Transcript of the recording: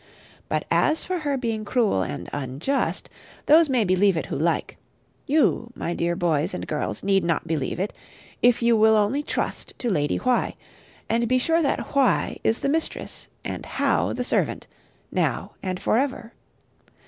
But as for her being cruel and unjust, those may believe it who like. You, my dear boys and girls, need not believe it, if you will only trust to Lady Why; and be sure that Why is the mistress and How the servant, now and for ever.